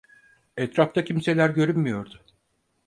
Etrafta kimseler görünmüyordu.